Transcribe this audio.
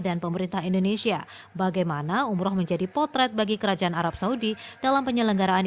pemerintah indonesia bagaimana umroh menjadi potret bagi kerajaan arab saudi dalam penyelenggaraan